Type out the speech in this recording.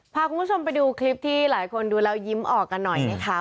พาคุณผู้ชมไปดูคลิปที่หลายคนดูแล้วยิ้มออกกันหน่อยนะคะ